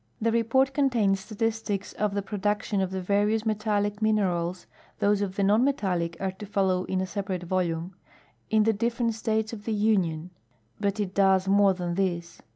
The report contains statistics of the produc tion of the various metallic minerals (those of the non metallic are to follow in a separate volume) in the different states of the Union ; hut it does more than this.